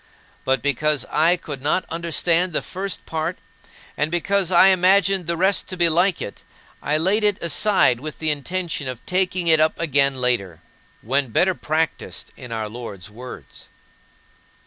But because I could not understand the first part and because I imagined the rest to be like it, I laid it aside with the intention of taking it up again later, when better practiced in our Lord's words.